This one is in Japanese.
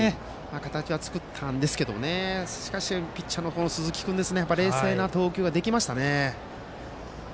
形は作ったんですがしかし、ピッチャーの鈴木君冷静な投球ができましたね。